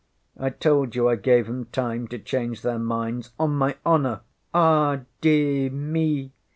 I told you I gave ŌĆśem time to change their minds. On my honour (ay de mi!)